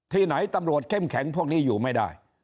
ที่ไหนตำรวจเข้มแข็งพวกนี้อยู่ไม่ได้